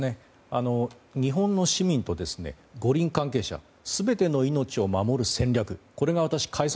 日本の市民と五輪関係者全ての命を守る戦略が開催